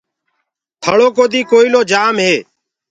ٿݪيٚ ڪودي ڪوئيٚلو جآم هي۔